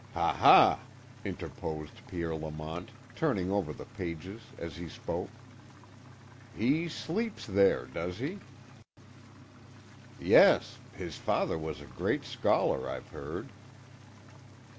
"Ha, ha!" interposed Pierre Lamont, turning over the pages as he spoke. "He sleeps there, does he? "Yes. His father was a great scholar, I've heard."